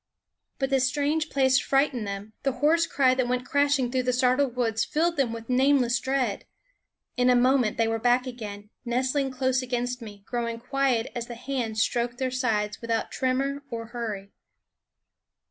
But the strange place frightened them ; the hoarse cry that went crashing through the startled woods filled them with nameless dread. In a moment they were back again, nestling close against me, growing quiet as the hands stroked their sides without tremor or hurry.